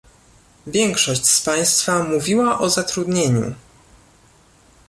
Większość z Państwa mówiłao o zatrudnieniu